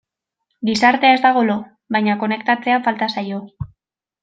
Gizartea ez dago lo, baina konektatzea falta zaio.